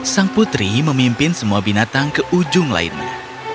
sang putri memimpin semua binatang ke ujung lainnya